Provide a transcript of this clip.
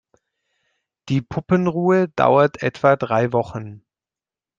Die Puppenruhe dauert etwa drei Wochen.